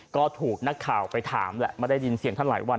ก็ถูกนักข่าวไปถามแหละไม่ได้ยินเสียงท่านหลายวัน